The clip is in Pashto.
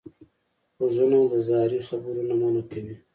غوږونه د زهري خبرو نه منع کوي